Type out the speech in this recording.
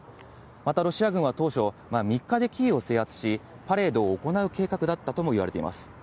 また、ロシア軍は当初、３日でキーウを制圧し、パレードを行う計画だったともいわれています。